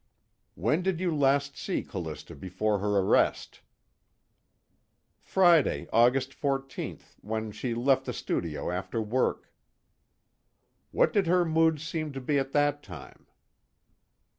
"When did you last see Callista before her arrest?" "Friday, August 14th, when she left the studio after work." "What did her mood seem to be at that time?"